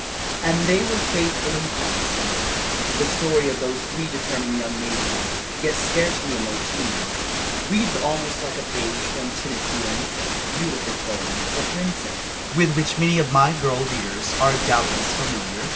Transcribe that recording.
And they were faithful and constant. The story of those three determined young maidens, yet scarcely "in their teens," reads almost like a page from Tennyson's beautiful poem, "The Princess," with which many of my girl readers are doubtless familiar.